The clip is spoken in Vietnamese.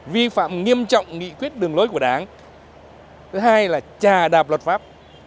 vi phạm nghiêm trọng nghị quyết đường lối của đảng thứ hai là trà đạp luật pháp